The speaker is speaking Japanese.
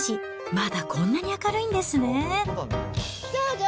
まだこんなに明るいんですね。